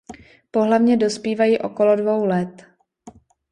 Pohlavně dospívají okolo dvou let.